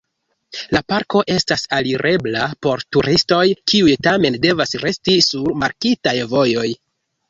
La parko estas alirebla por turistoj, kiuj tamen devas resti sur markitaj vojoj.